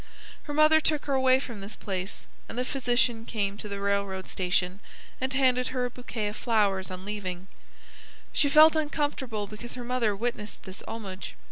Her mother took her away from this place, and the physician came to the railroad station and handed her a bouquet of flowers on leaving; she felt uncomfortable because her mother witnessed this homage.